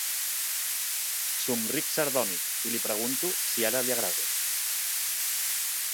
Somric sardònic i li pregunto si ara li agrado.